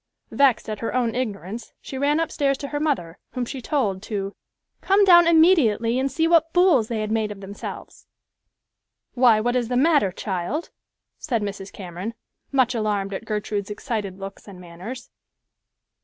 Vexed at her own ignorance, she ran upstairs to her mother, whom she told to "come down immediately and see what fools they had made of themselves." "Why, what is the matter, child?" said Mrs. Cameron, much alarmed at Gertrude's excited looks and manners.